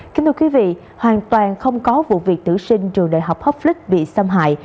kính thưa quý vị hoàn toàn không có vụ việc tử sinh trường đại học hocklick bị xâm hại